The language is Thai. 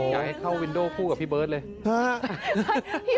อยากให้เข้าวินโดคู่กับพี่เบิร์ตเลย